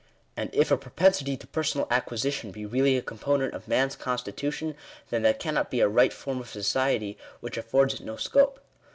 And if a propensity to personal acquisition be really a com I ponent of man's constitution, then that cannot be a right form of society which affords it no scope.